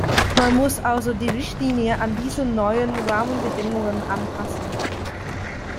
Man muss also die Richtlinie an diese neuen Rahmenbedingungen anpassen.